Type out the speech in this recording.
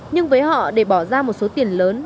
nhưng với họ để bỏ ra một số tiền lớn